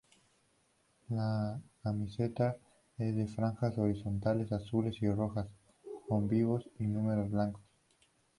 La camiseta es a franjas horizontales azules y rojas, con vivos y números blancos.